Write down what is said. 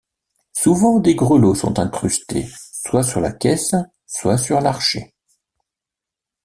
Souvent des grelots sont incrustés soit sur la caisse soit sur l'archet.